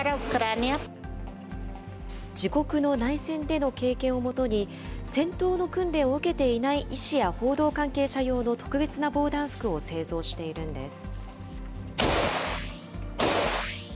自国の内戦での経験をもとに、戦闘の訓練を受けていない医師や報道関係者用の特別な防弾服を製造しているんです。